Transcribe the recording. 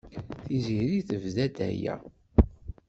Tiziri tebda-d aya.